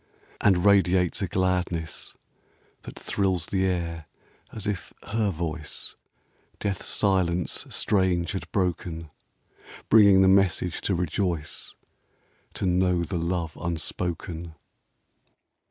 And radiates a gladness That thrills the air as \iher voice Death's silence strange had broken, — Bringing the message to rejoice. To know the love unspoken.